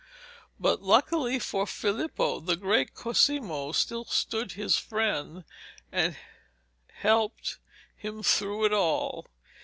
But luckily for Filippo, the great Cosimo still stood his friend and helped him through it all.